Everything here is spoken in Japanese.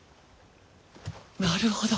なるほど。